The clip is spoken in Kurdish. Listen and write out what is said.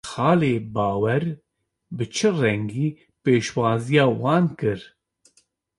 Xalê Bawer bi çi rengî pêşwaziya wan kir?